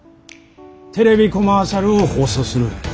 テレビコマーシャルを放送する。